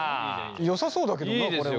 よさそうだけどなこれは。